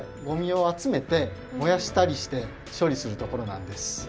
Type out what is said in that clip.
ごみをあつめてもやしたりしてしょりするところなんです。